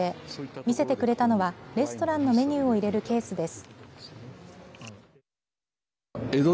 見せてくれたのはレストランのメニューを入れるケースです。